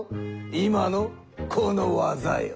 今のこの技よ。